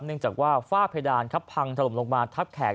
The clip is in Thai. เนื่องจากว่าฝ้าเพดานครับพังถล่มลงมาทับแขก